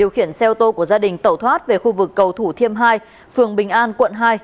điều khiển xe ô tô của gia đình tẩu thoát về khu vực cầu thủ thiêm hai phường bình an quận hai